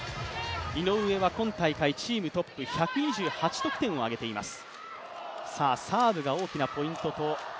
井上は今大会チームトップ、１２８得点を挙げています。